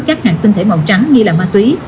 các hạt tinh thể màu trắng như là ma túy